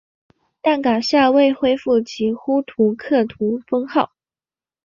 但噶厦未恢复其呼图克图封号。